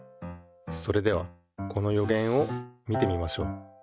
それではこのよげんを見てみましょう。